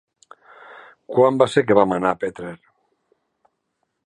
Quan va ser que vam anar a Petrer?